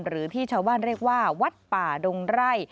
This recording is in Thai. หรือที่ชาวบ้านเรียกว่าวัดป่าดงไร่